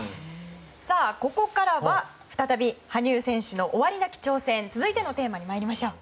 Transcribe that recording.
ここからは再び羽生選手の終わりなき挑戦続いてのテーマに参りましょう。